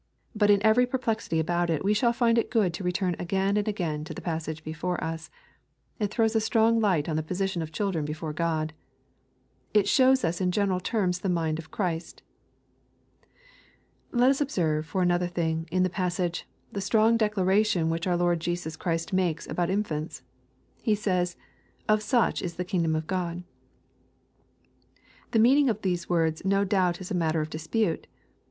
But in every perplexity about it we shall find it good to return again and again to the passage before us. It throws a strong light on the position of children before God. It shows us in general terms the mind of Christ. Let us observe, for another thing, in this passage, the strong declaration which our Lord Jesus Christ make 4 about infants. He says, " Of such is the kingdom of Gk)d.*' The meaning of these words no doubt is a matter of dispute.